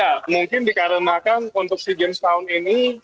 ya mungkin dikarenakan untuk sea games tahun ini